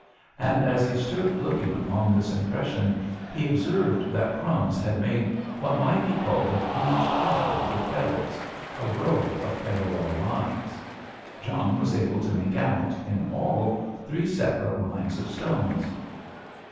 And as he stood looking upon this impression he observed that "Crumbs" had made what might be called a crude pattern with pebbles—a row of parallel lines. John was able to make out, in all, three separate lines of stones.